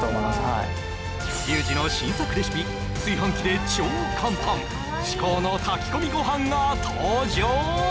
はいリュウジの新作レシピ炊飯器で超簡単至高の炊き込みご飯が登場！